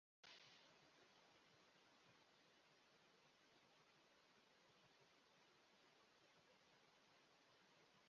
সমসাময়িক উইজডেনের প্রতিবেদনগুলোয় এ প্রসঙ্গে উল্লেখ করে যে, তিনি ব্যবসায়িক কিংবা পেশাদারী কারণে ইউরোপ গমন করেছিলেন।